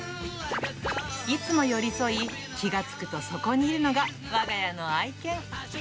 いつも寄り添い、気が付くとそこにいるのが、わが家の愛犬。